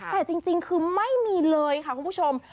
แต่จริงคือไม่มีเลยค่ะคุณผู้ชม